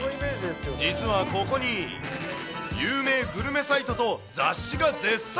実はここに、有名グルメサイトと雑誌が絶賛。